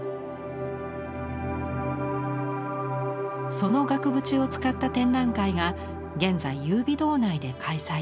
その額縁を使った展覧会が現在優美堂内で開催中。